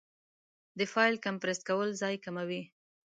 د فایل کمپریس کول ځای کموي.